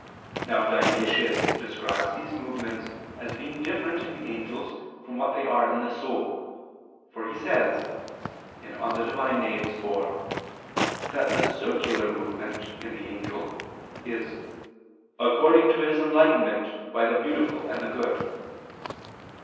Now Dionysius describes these movements as being different in the angels from what they are in the soul. For he says (Div. Nom. iv) that the "circular" movement in the angel is "according to his enlightenment by the beautiful and the good."